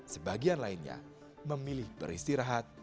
sebagian lainnya memilih beristirahat